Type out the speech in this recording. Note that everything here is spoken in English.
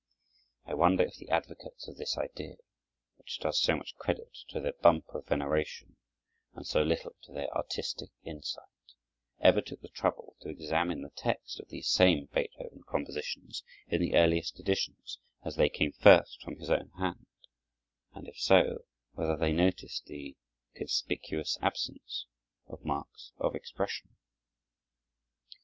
I wonder if the advocates of this idea, which does so much credit to their bump of veneration and so little to their artistic insight, ever took the trouble to examine the text of these same Beethoven compositions in the earliest editions, as they came first from his own hand; and if so, whether they noticed the conspicuous absence of marks of expression.